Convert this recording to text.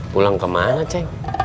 pulang kemana ce